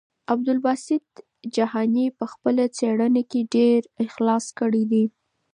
عبدالباسط جهاني په خپله څېړنه کې ډېر اخلاص کړی دی.